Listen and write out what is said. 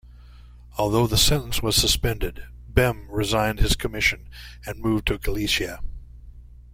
Although the sentence was suspended, Bem resigned his commission and moved to Galicia.